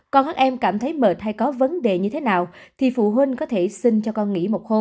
còn các em cảm thấy mệt hay có vấn đề như thế nào thì phụ huynh có thể xin cho con